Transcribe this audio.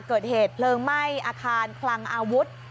เกิดเหตุเพลิงไหม้อาคารคลังอาวุธ